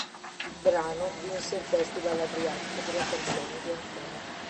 Il brano vinse il Festival Adriatico della Canzone di Ancona.